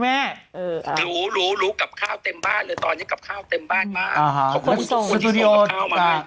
หรูหรูหรูกลับข้าวเต็มบ้านเลยตอนนี้กลับข้าวเต็มบ้านมาก